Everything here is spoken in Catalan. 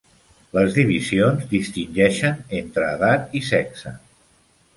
Les divisions distingeixen entre edat i sexe.